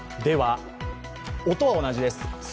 音は同じです。